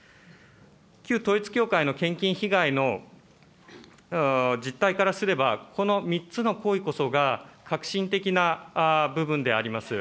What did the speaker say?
旧統一教会の献金被害の実態からすれば、この３つの行為こそが確信的な部分であります。